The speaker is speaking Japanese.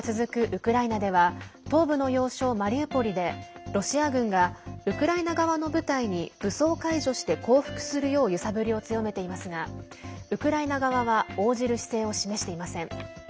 ウクライナでは東部の要衝マリウポリでロシア軍がウクライナ側の部隊に武装解除して降伏するよう揺さぶりを強めていますがウクライナ側は応じる姿勢を示していません。